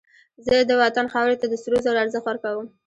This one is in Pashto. زه د وطن خاورې ته د سرو زرو ارزښت ورکوم